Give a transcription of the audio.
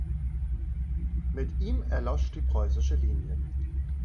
Mit ihm erlosch die preußische Linie.